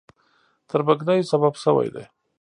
تربګنیو سبب شوي دي.